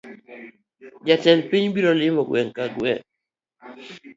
Jatend piny biro limo gweng’ ka gweng’